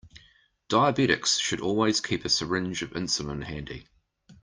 Diabetics should always keep a syringe of insulin handy.